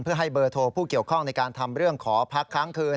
เพื่อให้เบอร์โทรผู้เกี่ยวข้องในการทำเรื่องขอพักค้างคืน